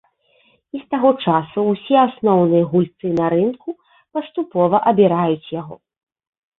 І з таго часу ўсе асноўныя гульцы на рынку паступова абіраюць яго.